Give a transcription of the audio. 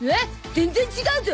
全然違うゾ！